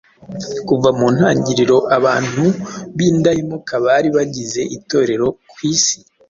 Kuva mu ntangiriro, abantu b’indahemuka bari bagize Itorero ku isi.